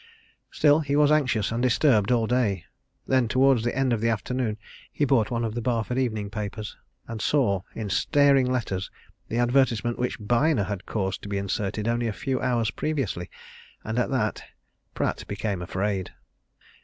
Still, he was anxious and disturbed all day. Then, towards the end of the afternoon, he bought one of the Barford evening papers and saw, in staring letters, the advertisement which Byner had caused to be inserted only a few hours previously. And at that, Pratt became afraid.